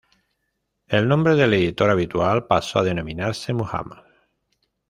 El nombre del editor habitual pasó a denominarse Muhammad.